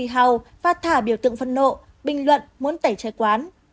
hào và thả biểu tượng phân nộ bình luận muốn tẩy chay quán